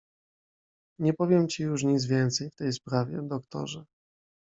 "Nie powiem ci już nic więcej w tej sprawie, doktorze."